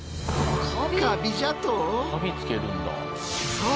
そう！